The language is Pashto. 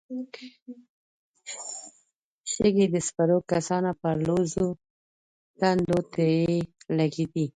شګې د سپرو کسانو پر لوڅو ټنډو تېرې لګېدې.